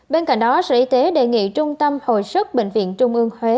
bên cạnh đó sở y tế đề nghị trung tâm hồi sức bệnh viện trung ương huế